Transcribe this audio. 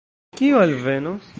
Kio alvenos?